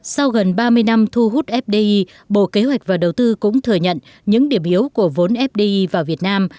sau gần ba mươi năm thu hút fdi bộ kế hoạch và đầu tư cũng thừa nhận những điểm yếu của vốn fdi vào việt nam